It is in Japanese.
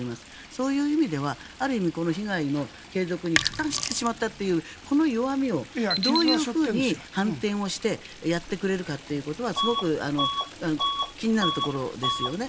そういう意味ではある意味、この被害の継続に加担してしまったというこの弱みをどういうふうに反転をしてやってくれるかということがすごく気になるところですよね。